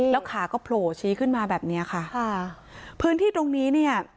แล้วขาก็โผล่ชี้ขึ้นมาแบบเนี้ยค่ะค่ะพื้นที่ตรงนี้เนี่ย